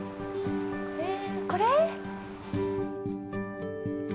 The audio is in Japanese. これ？